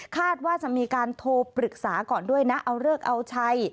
ว่าจะมีการโทรปรึกษาก่อนด้วยนะเอาเลิกเอาชัย